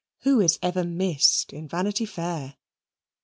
Who is ever missed in Vanity Fair?